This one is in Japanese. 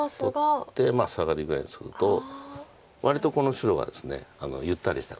取ってサガリぐらいにすると割とこの白がですねゆったりした形になって。